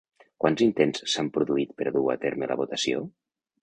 Quants intents s'han produït per a dur a terme la votació?